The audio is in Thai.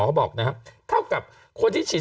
เขาบอกนะครับเท่ากับคนที่ฉีด